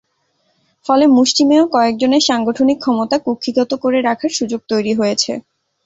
ফলে মুষ্টিমেয় কয়েকজনের সাংগঠনিক ক্ষমতা কুক্ষিগত করে রাখার সুযোগ তৈরি হয়েছে।